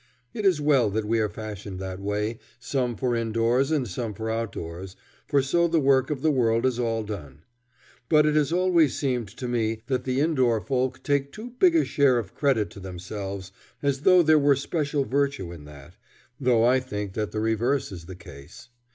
It is well that we are fashioned that way, some for indoors and some for outdoors, for so the work of the world is all done; but it has always seemed to me that the indoor folk take too big a share of credit to themselves, as though there were special virtue in that, though I think that the reverse is the case.